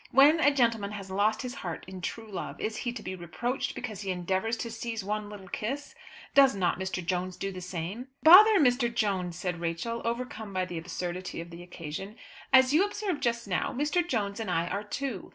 When a gentleman has lost his heart in true love, is he to be reproached because he endeavours to seize one little kiss? Did not Mr. Jones do the same?" "Bother Mr. Jones!" said Rachel, overcome by the absurdity of the occasion. "As you observed just now, Mr. Jones and I are two.